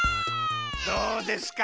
どうですか？